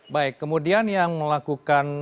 baik kemudian yang melakukan